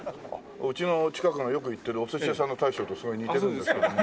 うちの近くのよく行ってるおすし屋さんの大将とすごい似てるんですけども。